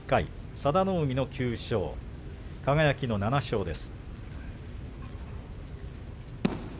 佐田の海の９勝輝の７勝です。